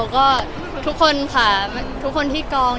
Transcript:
ก็ทุกคนค่ะทุกคนที่กอง